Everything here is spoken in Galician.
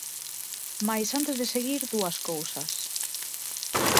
Mais, antes de seguir... Dúas cousas.